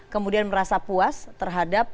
kemudian merasa puas terhadap